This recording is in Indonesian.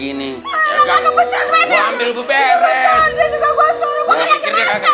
lu sih gua suruh jaga juga mana gua tahu kalau jadinya begini